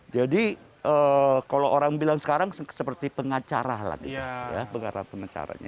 jadi kalau orang bilang sekarang seperti pengacara lagi